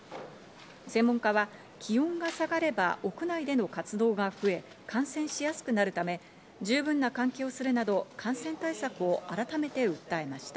専門家は気温が下がれば屋内での活動が増え、感染しやすくなるため、十分な換気をするなど感染対策を改めて訴えました。